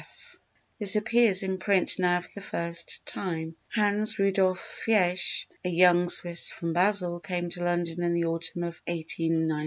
F._ This appears in print now for the first time. Hans Rudolf Faesch, a young Swiss from Basel, came to London in the autumn of 1893.